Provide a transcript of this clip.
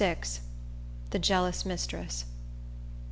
The Jealous Mistress.